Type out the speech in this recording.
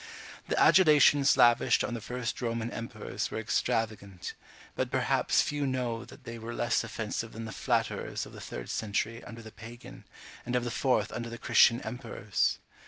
The adulations lavished on the first Roman emperors were extravagant; but perhaps few know that they were less offensive than the flatterers of the third century under the Pagan, and of the fourth under the Christian emperors.